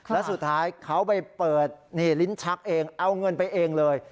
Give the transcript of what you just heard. แล้วสุดท้ายเขาไปเปิดลิ้นชักเองเอาเงินไปเองเลย